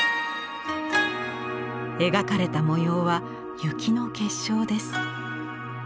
描かれた模様は雪の結晶です。